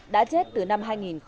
đã chết từ năm hai nghìn năm